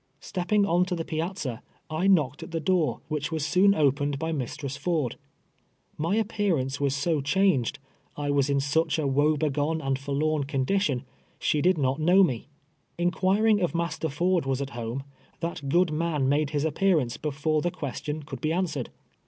Stepping on to. the piazza, I knocked at the door, which was soon opened by Mistress Ford, My aj^pearancc was so changed — I was in such awo begune and foi'lorn condition, she did not know me. In( juiring if Master Ford was at home, that good man made his appearance, before the question could be answered.